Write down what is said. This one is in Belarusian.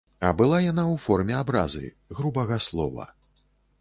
А была яна ў форме абразы, грубага слова.